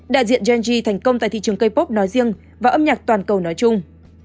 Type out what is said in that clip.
đại diện gen g thành công tại thị trường k pop nói riêng và âm nhạc toàn cầu nói chung